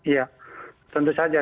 iya tentu saja